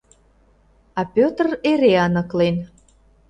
А Петр эре аныклен.